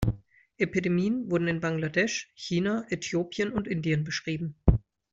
Epidemien wurden in Bangladesh, China, Äthiopien und Indien beschrieben.